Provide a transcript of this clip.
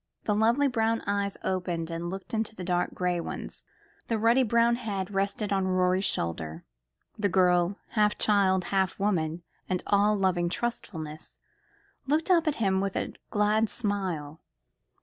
The lovely brown eyes opened and looked into the dark gray ones. The ruddy brown head rested on Rorie's shoulder. The girl half child, half woman, and all loving trustfulness, looked up at him with a glad smile.